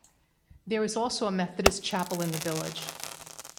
There is also a Methodist chapel in the village.